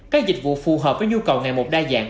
các dịch vụ phù hợp với nhu cầu ngày một đa dạng